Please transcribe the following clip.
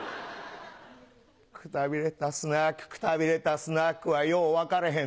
くたびれたスナックくたびれたスナックはよう分からへん